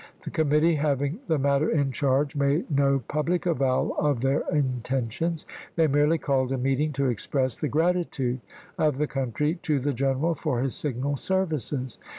The committee having the matter in charge made no public avowal of their intentions ; they merely called a meeting to express the gratitude of the country to the gen eral for his signal services.